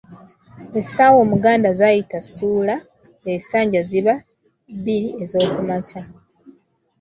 Essaawa Omuganda z'ayita suula essanja ziba bbiri ezookumakya.